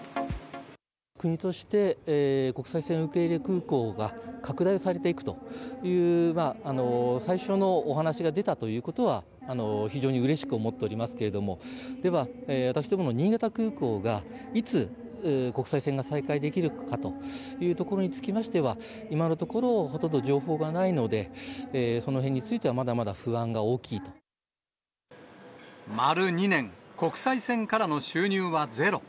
国として国際線受け入れ空港が拡大されていくという、最初のお話が出たということは、非常にうれしく思っておりますけれども、では、私どもの新潟空港がいつ、国際線が再開できるかというところにつきましては、今のところ、ほとんど情報がないので、そのへんについてはまだまだ不安が大き丸２年、国際線からの収入はゼロ。